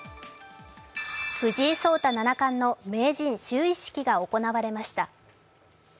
藤井聡太七冠の名人就位式が行われました。